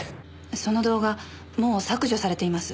その動画もう削除されています。